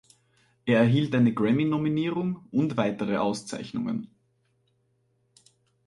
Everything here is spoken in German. Er erhielt eine Grammy-Nominierung und weitere Auszeichnungen.